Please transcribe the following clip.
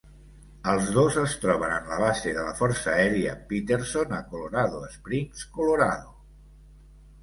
Els dos es troben en la base de la Força Aèria Peterson a Colorado Springs, Colorado.